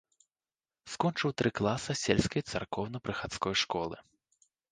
Скончыў тры класа сельскай царкоўна-прыходскай школы.